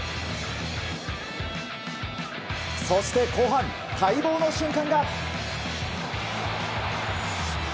そして後半、待望の瞬間が。